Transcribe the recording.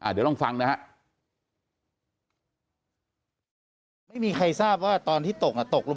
เดี๋ยวลองฟังนะครับ